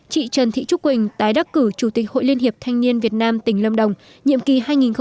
chị trần thị trúc quỳnh tái đắc cử chủ tịch hội liên hiệp thanh niên việt nam tỉnh lâm đồng nhiệm kỳ hai nghìn một mươi chín hai nghìn hai mươi bốn